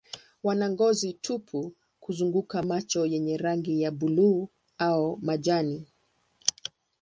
Wana ngozi tupu kuzunguka macho yenye rangi ya buluu au majani.